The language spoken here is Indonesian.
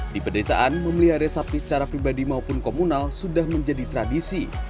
di pedesaan memelihara sapi secara pribadi maupun komunal sudah menjadi tradisi